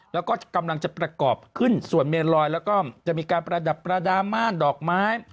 แล้วก็กำลังจะประกอบขึ้นส่วนเมนลอยแล้วก็จะมีการประดับประดาม่านดอกไม้